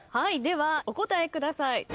ではお答えください。